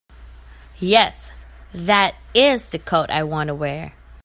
Yes, that IS the coat I want to wear.